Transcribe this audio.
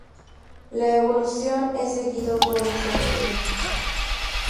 La evolución es seguido por disolución.